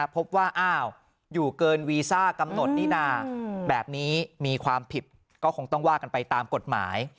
พบว่าอ้าวอยู่เกินวีซ่ากำหนดนี่นาแบบนี้มีความผิดก็คงต้องว่ากันไปตามกฎหมาย